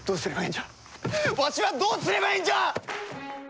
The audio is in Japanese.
んじゃわしはどうすればええんじゃ！